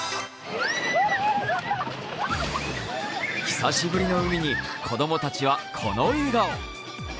久しぶりの海に子供たちはこの笑顔。